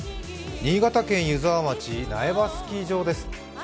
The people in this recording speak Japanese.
新潟県湯沢町、苗場スキー場です。